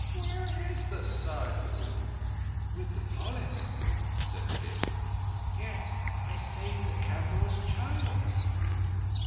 Where is the Saddhu?" "With the polis," said Kim ... "Yet I saved the Kamboh's child."